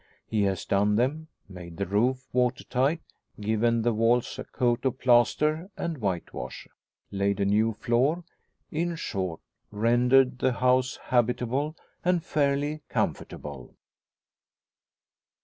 He has done them; made the roof water tight; given the walls a coat of plaster and whitewash; laid a new floor in short, rendered the house habitable, and fairly comfortable.